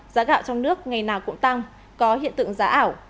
giá gạo trong nước ngày nào cũng tăng có hiện tượng giá ảo